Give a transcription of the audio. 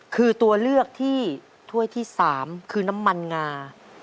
คือตัวเลือกที่ถ้วยที่๓คือน้ำมันงา